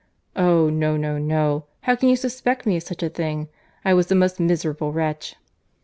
"Oh! no, no, no—how can you suspect me of such a thing? I was the most miserable wretch!"